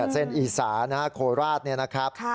เส้นอีสานะครับโคราชเนี่ยนะครับ